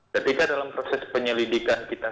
ketika dalam proses penyelidikan kita